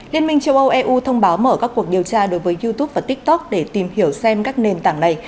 liên minh châu âu eu thông báo mở các cuộc điều tra đối với youtube và tiktok để tìm hiểu xem các nền tảng này